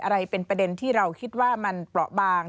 อะไรเป็นประเด็นที่เราคิดว่ามันเปราะบาง